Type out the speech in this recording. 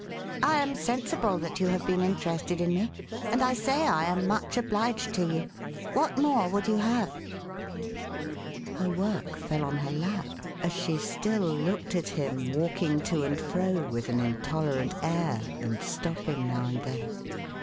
" I am sensible that you have been interested in me, and I say I am much obliged to you. What more would you have ?" Her work fell on her lap, as she still looked at him walk ing to and fro with an intolerant air, and stopping now and then.